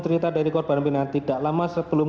cerita dari korban pimpinan tidak lama sebelum